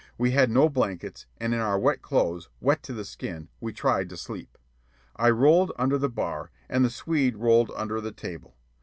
We had no blankets, and in our wet clothes, wet to the skin, we tried to sleep. I rolled under the bar, and the Swede rolled under the table.